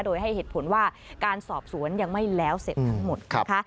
โดยให้เหตุผลว่าการสอบสวนยังไม่แล้วเสร็จทั้งหมดนะคะ